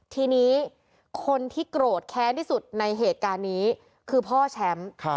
ทีนี้คนที่โกรธแค้นที่สุดในเหตุการณ์นี้คือพ่อแชมป์